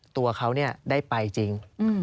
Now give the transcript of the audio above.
ตัวเขาได้ไปจริง